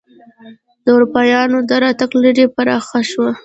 د اروپایانو دراتګ لړۍ پراخه شوه.